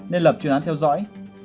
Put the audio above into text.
nên lập chuyên án theo dõi